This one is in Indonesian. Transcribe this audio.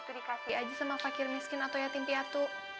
itu dikasih aja sama fakir miskin atau yatim piatu